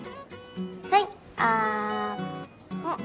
はいあん。